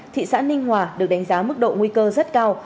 thị xã ninh hòa được đánh giá mức độ nguy cơ rất cao